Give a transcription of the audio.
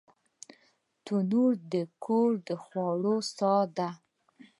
تنور د کور د خوړو ساه ده